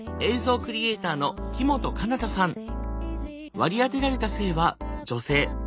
割り当てられた性は女性。